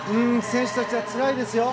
選手たちはつらいですよ。